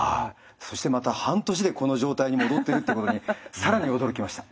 そしてまた半年でこの状態に戻ってるってことに更に驚きました。